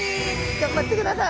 頑張ってください！